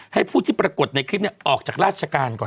ให้ผู้ที่ปรากฏในคลิปออกจากราชการก่อน